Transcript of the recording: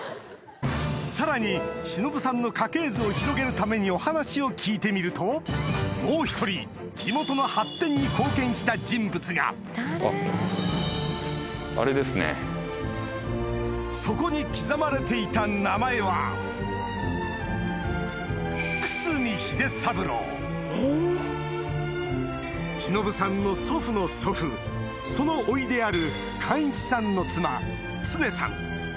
さらにしのぶさんの家系図を広げるためにお話を聞いてみるともう１人地元の発展に貢献した人物がそこに刻まれていた名前はしのぶさんの祖父の祖父そのおいである貫一さんの妻ツネさん